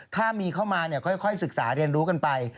ถ้ามีเข้ามาค่อยศึกษาเรียนรู้กันไป